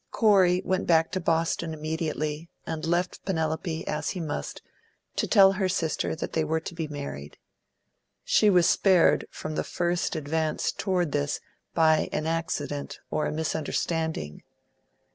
Corey went back to Boston immediately, and left Penelope, as he must, to tell her sister that they were to be married. She was spared from the first advance toward this by an accident or a misunderstanding.